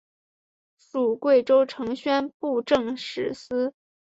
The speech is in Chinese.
属贵州承宣布政使司。